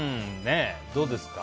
どうですか？